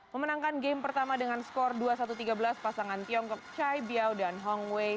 memenangkan game pertama dengan skor dua satu tiga belas pasangan tiongkok chai biao dan hong wei